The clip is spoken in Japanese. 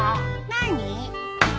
何？